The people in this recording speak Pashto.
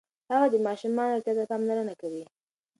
هغه د ماشومانو روغتیا ته پاملرنه کوي.